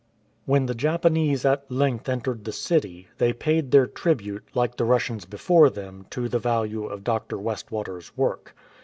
When the Japanese at length entered the city, they paid their tribute, like the Russians before them, to the value of Dr. Westwater's work.